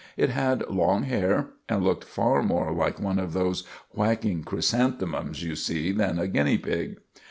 It had long hair, and looked far more like one of those whacking chrysanthemums you see than a guinea pig.